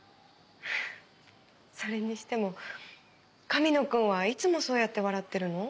それにしても神野くんはいつもそうやって笑ってるの？